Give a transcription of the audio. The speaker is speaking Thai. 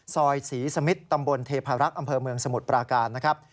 ซอยศรีสมิทตำบลเทพารักษ์อำเภอเมืองสมุทรปราการนะครับ